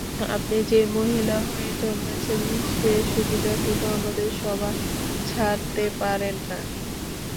আপনি যে মহিলা হয়ে জন্মেছেন সে সুবিধাটুকু আমাদের সভা ছাড়তে পারেন না।